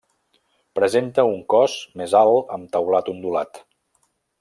Presenta un cos més alt amb teulat ondulat.